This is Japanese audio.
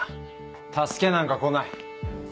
助けなんか来ない。